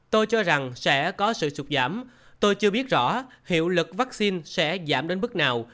tôi cho rằng sẽ có sự sụt giảm tôi chưa biết rõ hiệu lực vaccine sẽ giảm đến mức nào